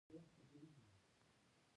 د زابل د ارغنداب بند د ساساني دورې شاهکار دی